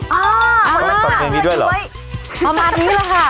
อ๋อเหมือนกับเพลงนี้ด้วยเหรอประมาณนี้แหละค่ะ